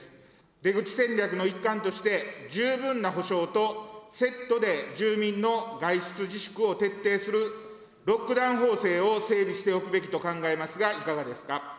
出口戦略の一環として、十分な補償とセットで住民の外出自粛を徹底する、ロックダウン法制を整備しておくべきと考えますが、いかがですか。